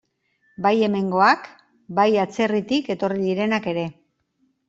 Bai hemengoak, bai atzerritik etorri direnak ere.